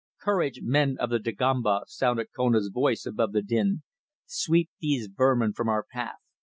"Courage, men of the Dagomba," sounded Kona's voice above the din. "Sweep these vermin from our path.